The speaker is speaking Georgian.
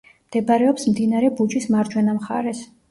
მდებარეობს მდინარე ბუჯის მარჯვენა მხარეს.